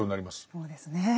そうですね。